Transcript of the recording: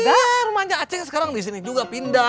iya rumahnya aceng sekarang di sini juga pindah